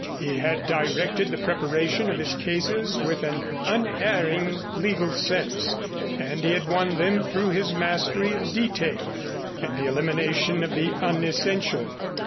He had directed the preparation of his cases with an unerring legal sense and he had won them through his mastery of detail and the elimination of the unessential.